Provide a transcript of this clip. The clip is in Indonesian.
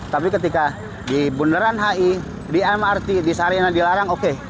tapi ketika di bundaran hi di mrt di sarina dilarang oke